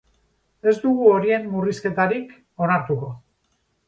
Ez dugu horien murrizketarik onartuko.